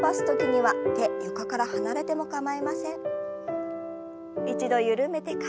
はい。